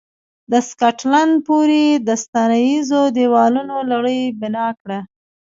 د سکاټلند پورې د ساتنیزو دېوالونو لړۍ بنا کړه.